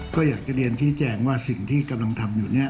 ก็อยากจะเรียนชี้แจงว่าสิ่งที่กำลังทำอยู่เนี่ย